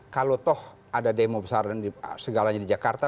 kalau toh ada demo besar dan segalanya di jakarta